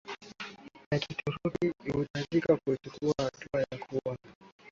ya Kituruki unahitaji kuchukua hatua ya kurudia kwa